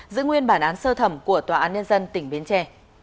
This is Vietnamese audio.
giữ nguyên bản án sơ thẩm của tòa án nhân dân tỉnh bến tre